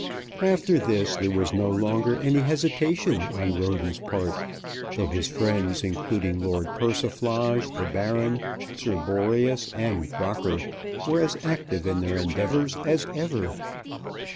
After this there was no longer any hesitation on Roden's part, though his friends, including Lord Persiflage, the Baron, Sir Boreas, and Crocker, were as active in their endeavours as ever.